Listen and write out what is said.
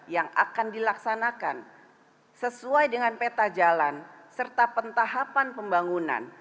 yang akan dilaksanakan sesuai dengan peta jalan serta pentahapan pembangunan